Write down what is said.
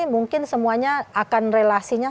mungkin semuanya akan relasinya